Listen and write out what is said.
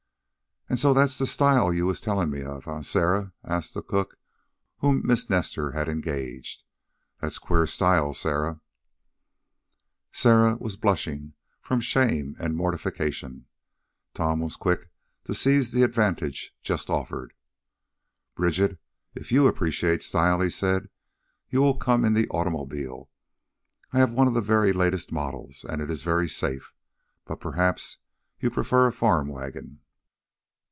"An' so that's the style you was tellin' me of; eh, Sarah?" asked the cook whom Miss Nestor had engaged. "That's queer style, Sarah." Sarah was blushing from shame and mortification. Tom was quick to seize the advantage thus offered. "Bridget, if YOU appreciate style," he said, "you will come in the automobile. I have one of the very latest models, and it is very safe. But perhaps you prefer a farm wagon."